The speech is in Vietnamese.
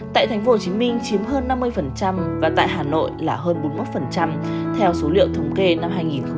tại tp hcm chiếm hơn năm mươi và tại hà nội là hơn bốn mươi một theo số liệu thống kê năm hai nghìn một mươi tám